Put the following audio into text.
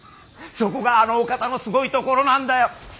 そこがあのお方のすごいところなんだよ。